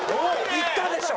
言ったでしょ！